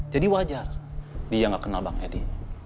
jadi wajar dia gak kenal bang eddy